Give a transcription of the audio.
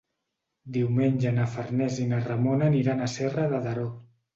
Diumenge na Farners i na Ramona aniran a Serra de Daró.